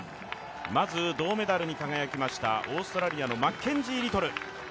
まず銅メダルに輝きましたオーストラリアのマッケンジー・リトル。